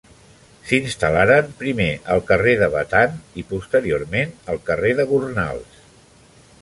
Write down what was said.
S'instal·laren primer al carrer de Batan i posteriorment al carrer de Gornals.